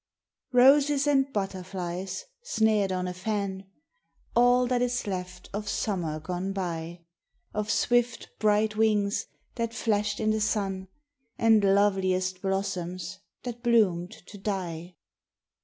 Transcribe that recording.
Roses and butterflies snared on a fan, All that is left of summer gone by ; Of swift, bright wings that flashed in the sun, And loveliest blossoms that bloomed to die